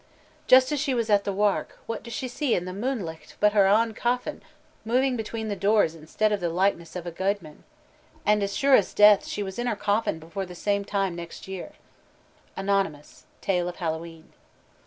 "Just as she was at the wark, what does she see in the moonlicht but her ain coffin moving between the doors instead of the likeness of a gudeman! and as sure's death she was in her coffin before the same time next year." ANON: _Tale of Hallowe'en.